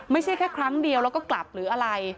ไม่ใช่แค่ครั้งเดียวแล้วก็กลับหรืออะไร